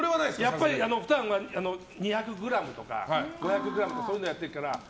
普段は２００ｇとか５００ｇとかそういうのをやってるから。